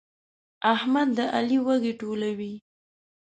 احمد د علي وږي ټولوي.